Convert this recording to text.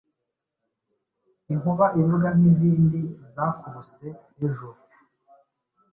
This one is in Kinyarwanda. Inkuba ivuga nkizindi zakubuse ejo